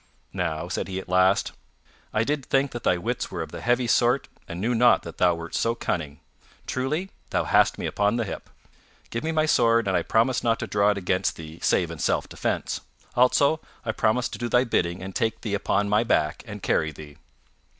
"Now," said he at last, "I did think that thy wits were of the heavy sort and knew not that thou wert so cunning. Truly, thou hast me upon the hip. Give me my sword, and I promise not to draw it against thee save in self defense; also, I promise to do thy bidding and take thee upon my back and carry thee."